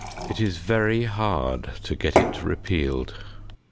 It is very hard to get it repealed.